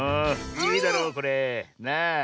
いいだろこれ。なあ。